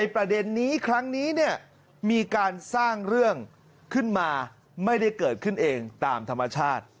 ประเด็นนี้ครั้งนี้เนี่ยมีการสร้างเรื่องขึ้นมาไม่ได้เกิดขึ้นเองตามธรรมชาติ